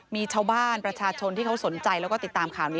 มีชาวบ้านประชาชนที่เขาสนใจแล้วก็ติดตามข่าวนี้